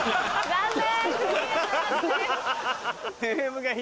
残念。